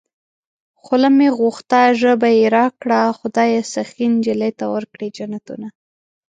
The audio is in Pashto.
خوله مې غوښته ژبه يې راکړه خدايه سخي نجلۍ ته ورکړې جنتونه